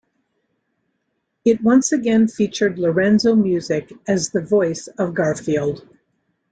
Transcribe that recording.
It once again featured Lorenzo Music as the voice of Garfield.